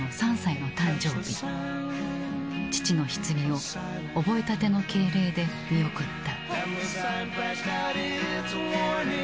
父のひつぎを覚えたての敬礼で見送った。